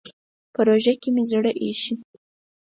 په روژه کې مې زړه اېشي.